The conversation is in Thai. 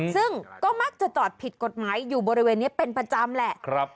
ซึ่งก็มักจะจอดผิดกฎหมายอยู่บริเวณนี้เป็นประจำแหละ